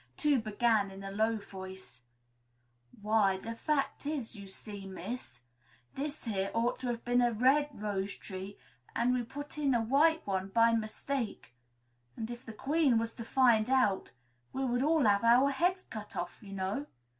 Two began, in a low voice, "Why, the fact is, you see, Miss, this here ought to have been a red rose tree, and we put a white one in by mistake; and, if the Queen was to find it out, we should all have our heads cut off, you know.